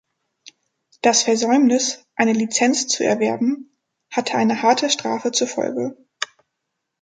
Das Versäumnis, eine Lizenz zu erwerben, hatte eine harte Strafe zur Folge.